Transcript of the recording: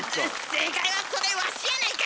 正解は「それ、わしやないかい！」でした。